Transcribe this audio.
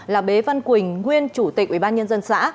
là bế văn quỳnh nguyên chủ tịch ủy ban nhân dân xã